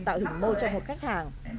tạo hình môi cho một khách hàng